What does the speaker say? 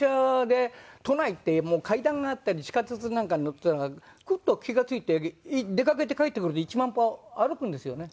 都内ってもう階段があったり地下鉄なんかに乗ってたらふと気が付いて出かけて帰ってくると１万歩歩くんですよね。